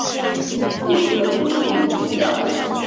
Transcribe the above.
肚子咕噜咕噜叫